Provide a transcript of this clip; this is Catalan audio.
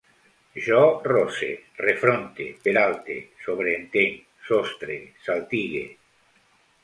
Jo rose, refronte, peralte, sobreentenc, sostre, saltigue